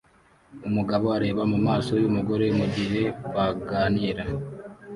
Umugabo areba mumaso yumugore mugihe baganira